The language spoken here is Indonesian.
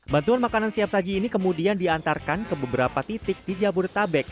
bantuan makanan siap saji ini kemudian diantarkan ke beberapa titik di jabodetabek